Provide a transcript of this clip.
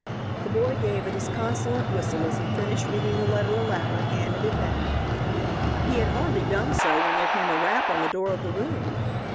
The boy gave a disconsolate whistle as he finished reading the letter aloud and handed it back. He had hardly done so when there came a rap on the door of the room.